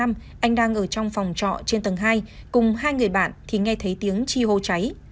anh đang ở trong phòng trọ trên tầng hai cùng hai người bạn thì nghe thấy tiếng chi hô cháy